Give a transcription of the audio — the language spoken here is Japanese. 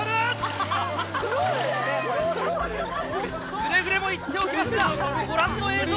くれぐれも言っておきますがご覧の映像